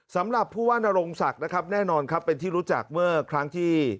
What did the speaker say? สำหรับผู้ว่านรงศักดิ์นะครับแน่นอนครับเป็นที่รู้จักเมื่อครั้งที่